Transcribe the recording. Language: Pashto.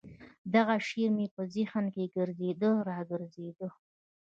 دغه شعر مې په ذهن کښې ګرځېده راګرځېده.